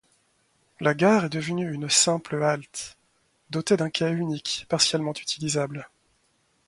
La gare est devenue une simple halte, dotée d'un quai unique partiellement utilisable.